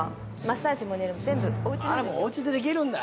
おうちでできるんだ。